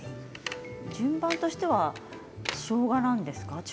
順番としてはしょうがなんですか？